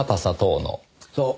そう。